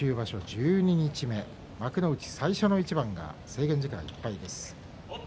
十二日目幕内最初の一番制限時間いっぱいです。